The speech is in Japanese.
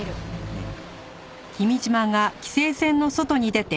うん。